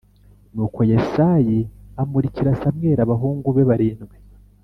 Nuko Yesayi amurikira Samweli abahungu be barindwi.